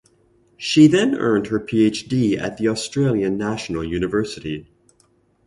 She then earned her PhD at the Australian National University.